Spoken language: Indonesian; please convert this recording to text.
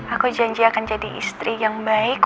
aku janji akan jadi istri yang baik